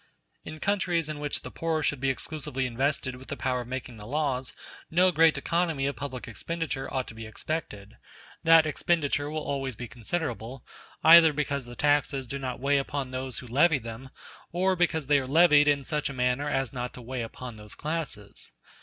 In countries in which the poor *e should be exclusively invested with the power of making the laws no great economy of public expenditure ought to be expected: that expenditure will always be considerable; either because the taxes do not weigh upon those who levy them, or because they are levied in such a manner as not to weigh upon those classes.